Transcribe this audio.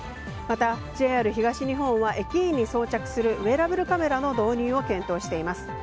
また、ＪＲ東日本は駅員に装着するウエラブルカメラの導入を検討しています。